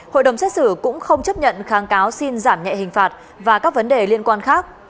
hội đồng xét xử cũng không chấp nhận kháng cáo xin giảm nhẹ hình phạt và các vấn đề liên quan khác